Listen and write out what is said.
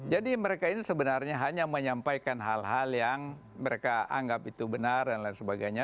jadi mereka ini sebenarnya hanya menyampaikan hal hal yang mereka anggap itu benar dan lain sebagainya